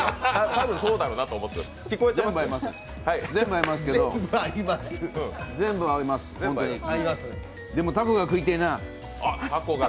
多分そうだろうなと思っていますが。